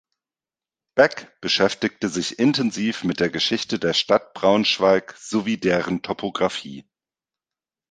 Beck beschäftigte sich intensiv mit der Geschichte der Stadt Braunschweig sowie deren Topografie.